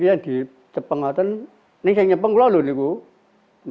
kalau sudah terpengandap itu akan terpengandap